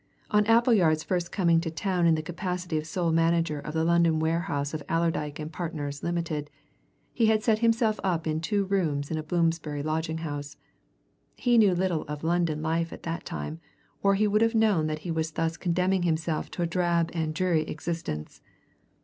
On Appleyard's first coming to town in the capacity of sole manager of the London warehouse of Allerdyke and Partners, Limited, he had set himself up in two rooms in a Bloomsbury lodging house. He knew little of London life at that time, or he would have known that he was thus condemning himself to a drab and dreary existence.